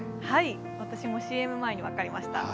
私もＣＭ前に分かりました。